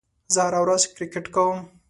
زه هره ورځ کرېکټ کوم.